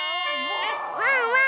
ワンワン